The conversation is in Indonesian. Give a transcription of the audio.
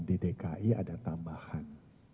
di dki ada tambahan